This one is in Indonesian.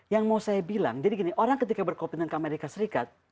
yang mau saya bilang jadi gini orang ketika berkopit dengan ke amerika serikat